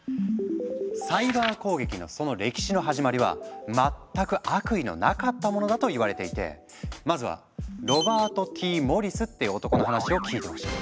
サイバー攻撃のその歴史の始まりは全く悪意のなかったものだといわれていてまずはロバート・Ｔ・モリスって男の話を聞いてほしい。